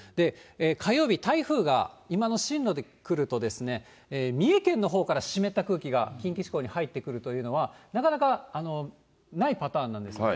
火曜日、台風が今の進路で来ると、三重県のほうから湿った空気が近畿地方に入ってくるというのは、なかなかないパターンなんですよね。